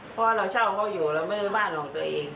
เพราะว่าเราเช่าเขาอยู่เราไม่ได้บ้านของตัวเอง